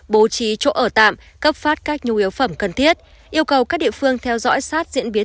bố trí chỗ ở tạm cấp phát các nhu yếu phẩm cần thiết yêu cầu các địa phương theo dõi sát diễn biến